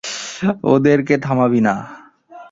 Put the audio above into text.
ওদেরকে থামাবি না?